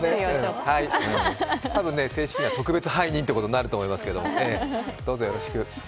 多分正式には特別背任ということになると思いますが、よろしく。